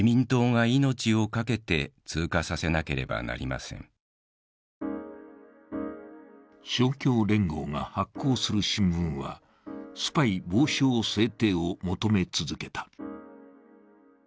選集には勝共連合が発行する新聞は、スパイ防止法制定を求め続けた。